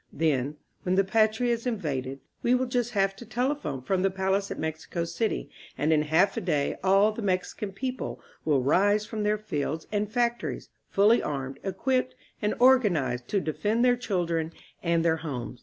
Then, when the Patria is invaded, we will just have to telephone from the palace at Mexico City, and in half a day all the Mexican people will rise from their fields and fac tories, fully armed, equipped and organized to defend their children and their homes.